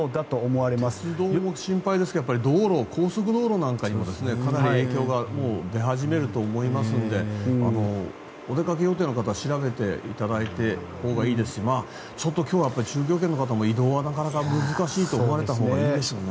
鉄道も心配ですけど高速道路なんかにもかなり影響が出始めると思いますのでお出かけ予定の方は調べていただいたほうがいいですしちょっと今日は中京圏の方は移動は難しいと思われたほうがいいですね。